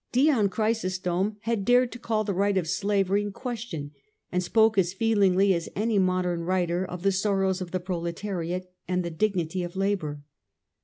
Dion Chrysostom had dared to call the right of slavery in question, and spoke as feelingly as any modern writer of the sorrows of the proletariate and the dignity of labour.